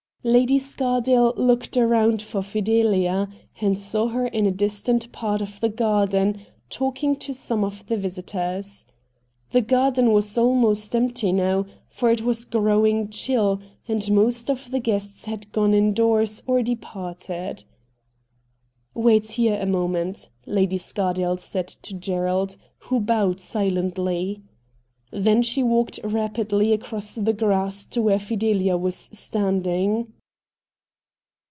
Lady Scardale looked around for Fidelia, and saw her in a distant part of the garden, talking to some of the visitors. The garden was THE CULTURE COLLEGE i8i almost empty now, for it was growing chill, and most of the guests had gone indoors or departed. 'Wait here a moment,' Lady Scardale said to Gerald, who bowed silently. Then she walked rapidly across the grass to where Fidelia was standing.